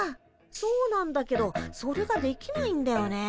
そうなんだけどそれができないんだよね。